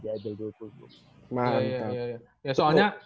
di iba dua ribu dua puluh mantap